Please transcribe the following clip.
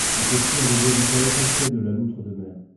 C'est aussi un des habitats essentiels de la loutre de mer.